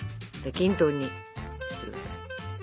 均等にしてください。